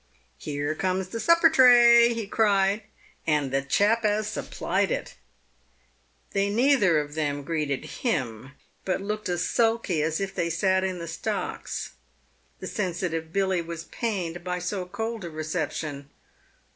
" Here comes the supper tray," he cried, "and the chap as supplied it." They neither of them greeted him, but looked as sulky as if they sat in the stocks. The sensitive Billy was pained by so cold a re ception.